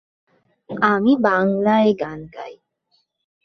চতুর্দশ শতাব্দী পর্যন্ত এ অঞ্চল চন্দ্রদ্বীপ নামে প্রসিদ্ধি লাভ করে।